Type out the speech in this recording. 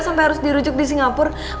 sampai harus dirujuk di singapura